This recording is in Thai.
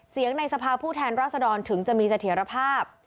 ในสภาพผู้แทนราษฎรถึงจะมีเสถียรภาพ